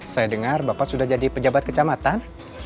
saya dengar bapak sudah jadi pejabat kecamatan